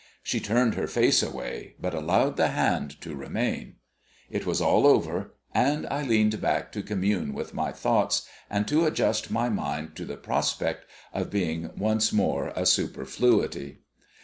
She turned her face away, but allowed the hand to remain. It was all over, and I leaned back to commune with my thoughts, and to adjust my mind to the prospect of being once more a superfluity.